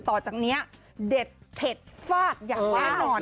ต่อจากเนี้ยเด็ดเผ็ดฟาดอย่างว่านอนค่ะ